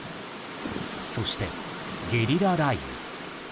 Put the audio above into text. そしてゲリラ雷雨。